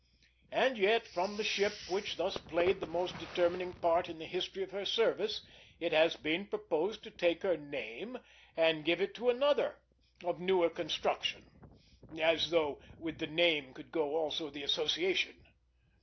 And yet, from the ship which thus played the most determining part in the history of her service, it has been proposed to take her name, and give it to another, of newer construction; as though with the name could go also the association.